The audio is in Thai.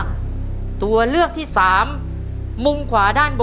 คุณยายแจ้วเลือกตอบจังหวัดนครราชสีมานะครับ